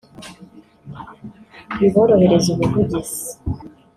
biborohereze ubuvugizi